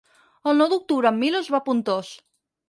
El nou d'octubre en Milos va a Pontós.